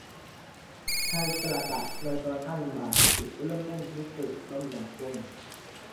ไทยประกาศ ลอยตัวค่าเงินบาท จุดเริ่มต้น วิกฤตต้มยำกุ้ง